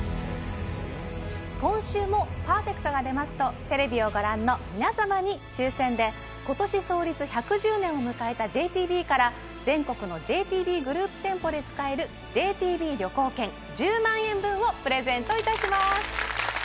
今週もパーフェクトが出ますとテレビをご覧の皆様に抽選で今年創立１１０年を迎えたＪＴＢから全国のＪＴＢグループ店舗で使えるＪＴＢ旅行券１０万円分をプレゼントいたします